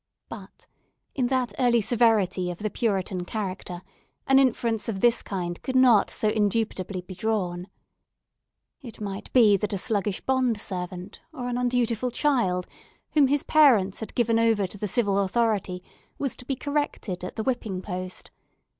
But, in that early severity of the Puritan character, an inference of this kind could not so indubitably be drawn. It might be that a sluggish bond servant, or an undutiful child, whom his parents had given over to the civil authority, was to be corrected at the whipping post.